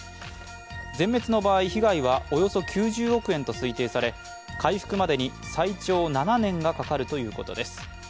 全滅の場合、被害はおよそ９０億円と推定され回復までに最長７年がかかるということです。